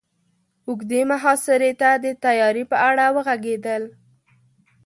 اوږدې محاصرې ته د تياري په اړه وغږېدل.